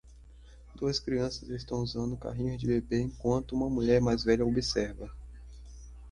Duas crianças estão usando carrinhos de bebê enquanto uma mulher mais velha observa.